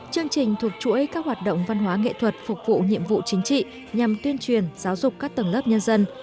chương trình thuộc chuỗi các hoạt động văn hóa nghệ thuật phục vụ nhiệm vụ chính trị nhằm tuyên truyền giáo dục các tầng lớp nhân dân